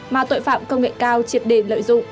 mà tội phạm công nghệ cao triệt đề lợi dụng